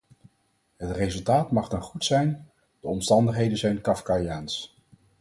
Het resultaat mag dan goed zijn, de omstandigheden zijn kafkaiaans.